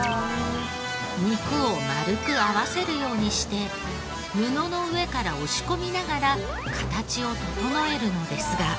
肉を丸く合わせるようにして布の上から押し込みながら形を整えるのですが。